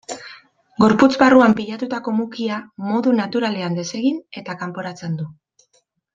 Gorputz barruan pilatutako mukia modu naturalean desegin eta kanporatzen du.